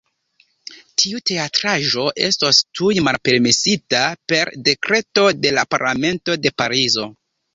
Tiu teatraĵo estos tuj malpermesita per Dekreto de la Parlamento de Parizo.